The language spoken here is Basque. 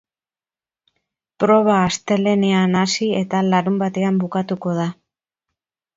Proba astelehenean hasi eta larunbatean bukatuko da.